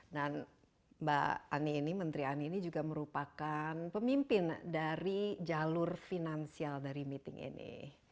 dan mbak ani ini menteri ani ini juga merupakan pemimpin dari jalur finansial dari meeting ini